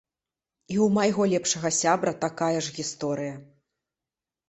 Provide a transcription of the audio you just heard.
І ў майго лепшага сябра такая ж гісторыя.